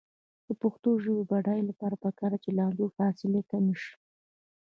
د پښتو ژبې د بډاینې لپاره پکار ده چې لهجو فاصلې کمې شي.